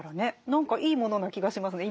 何かいいものな気がしますね